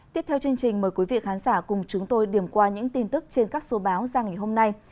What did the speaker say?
tiếp theo chương trình mời quý vị khán giả cùng chúng tôi điểm qua những tin tức trên các số báo ra ngày hôm nay